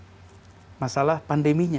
penyebabnya karena masalah pandeminya